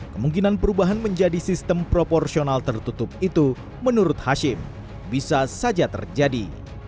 kemungkinan perubahan menjadi sistem proporsional tertutup itu menurut hashim bisa saja terjadi